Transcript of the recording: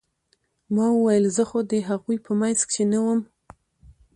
ما وويل زه خو د هغوى په منځ کښې نه وم.